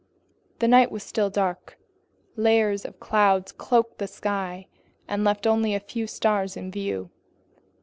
The night was still dark. Layers of clouds cloaked the sky and left only a few stars in view.